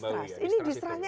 distrust ini distrustnya